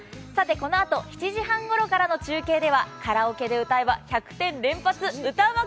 このあと７時半ごろからの中継ではカラオケで歌えば１００点連発、歌うま